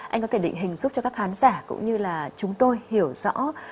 anh có thể định hình giúp cho các khán giả cũng như là chúng tôi hiểu rõ